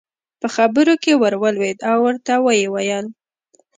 په خبرو کې ور ولوېد او ورته ویې وویل.